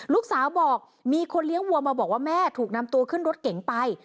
ลูกสาวบอกมีคนเลี้ยงวัวมาบอกว่าแม่ถูกนำตัวขึ้นรถเก๋งไป